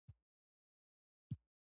د عمل د خاوندانو په حضور کې